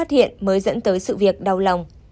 hiện mới dẫn tới sự việc đau lòng